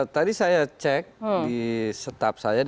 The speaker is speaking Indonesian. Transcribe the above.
tadi saya cek di staf saya